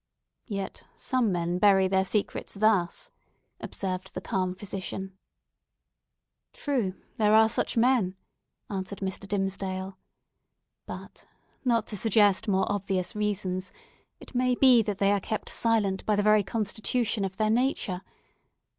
"Yet some men bury their secrets thus," observed the calm physician. "True; there are such men," answered Mr. Dimmesdale. "But not to suggest more obvious reasons, it may be that they are kept silent by the very constitution of their nature.